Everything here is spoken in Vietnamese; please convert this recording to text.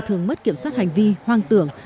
thường mất kiểm soát hành vi hoang tưởng